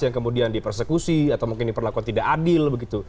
yang kemudian dipersekusi atau mungkin diperlakukan tidak adil begitu